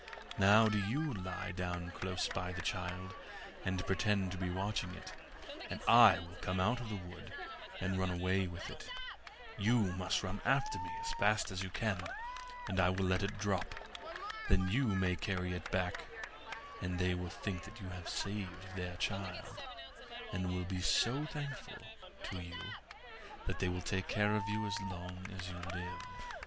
Now do you lie down close by the child, and pretend to be watching it, and I will come out of the wood and run away with it; you must run after me as fast as you can, and I will let it drop; then you may carry it back, and they will think you have saved their child, and will be so thankful to you that they will take care of you as long as you live.